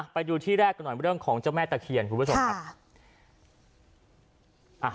ไปดูที่แรกกันหน่อยเรื่องของเจ้าแม่ตะเคียนคุณผู้ชมครับ